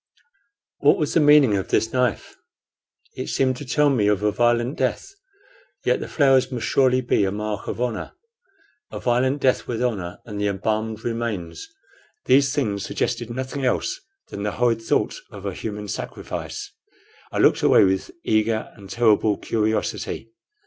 What was the meaning of this knife? It seemed to tell of a violent death. Yet the flowers must surely be a mark of honor. A violent death with honor, and the embalmed remains these things suggested nothing else than the horrid thought of a human sacrifice. I looked away with eager and terrible curiosity.